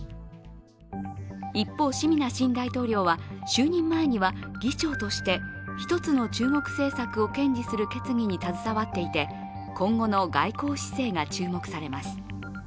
一方、シミナ新大統領は就任前には議長としてひとつの中国政策を堅持する決議に携わっていて今後の外交姿勢が注目されます。